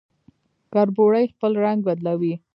کربوړی خپل رنګ بدلوي